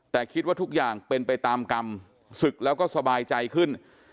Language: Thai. แต่คิดว่าทุกอย่างเป็นไปตามกรรมศึกแล้วก็สบายใจขึ้น